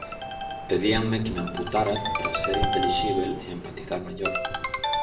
Pedíanme que me amputara para ser intelixíbel e empatizar mellor.